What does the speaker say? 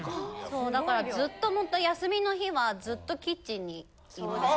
そうだからずっと休みの日はずっとキッチンにいます。